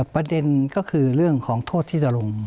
ประเด็นก็คือเรื่องของโทษที่จะลง